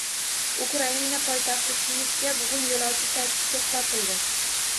Ukraina poytaxti Kievda bugun yo'lovchi tashish to'xtatildi